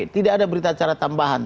tidak ada berita acara tambahan